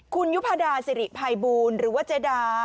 คุณยุพดาสิริภัยบูลหรือว่าเจดา